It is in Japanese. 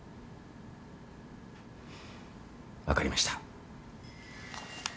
分かりました。